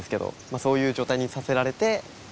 そういう状態にさせられて。